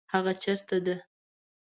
هغه چیرته ده؟